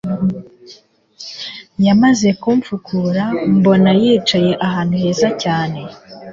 yamaze kumfukura mbona nicaye ahantu heza cyane